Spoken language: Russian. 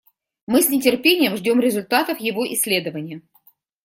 Мы с нетерпением ждем результатов его исследования.